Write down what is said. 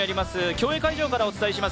競泳会場からお届けします